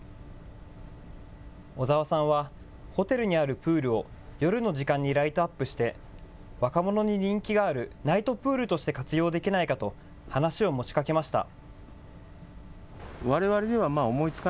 小澤さんは、ホテルにあるプールを夜の時間にライトアップして、若者に人気があるナイトプールとして活用できないかと、話を持ちかけました。